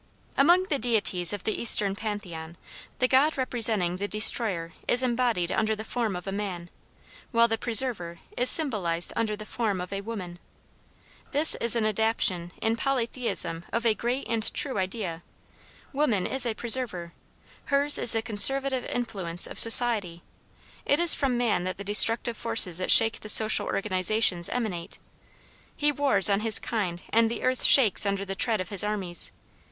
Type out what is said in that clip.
Among the deities of the Eastern Pantheon, the god representing the destroyer is embodied under the form of a man, while the preserver is symbolized under the form of a woman. This is an adaptation in Polytheism of a great and true idea. Woman is a preserver. Her's is the conservative influence of society. It is from man that the destructive forces that shake the social organization emanate. He wars on his kind and the earth shakes under the tread of his armies.